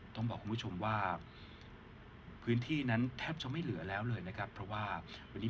ต้องบอกคุณผู้ชมว่าพื้นที่นั้นแทบจะไม่เหลือแล้วเลยนะครับเพราะว่าวันนี้